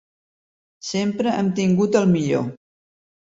Sempre hem tingut el millor.